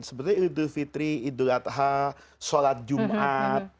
sebenarnya idul fitri idul adha sholat jumat